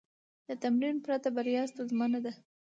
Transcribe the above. د تمرین پرته، بریا ستونزمنه ده.